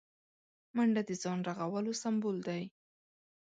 منډه د ځان رغولو سمبول دی